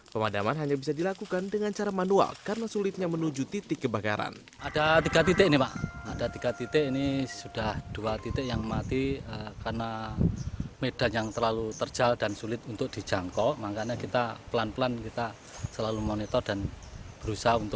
pemadaman hanya bisa dilakukan dengan cara manual karena sulitnya menuju titik kebakaran